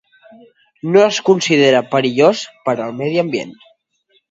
No es considera perillós per al medi ambient.